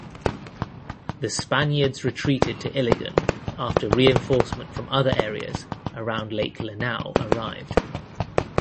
The Spaniards retreated to Iligan after reinforcement from other areas around Lake Lanao arrived.